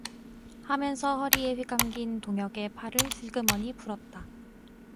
하면서 허리에 휘감긴 동혁의 팔을 슬그머니 풀었다.